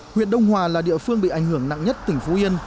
huyện đông hòa là địa phương bị ảnh hưởng nặng nhất tỉnh phú yên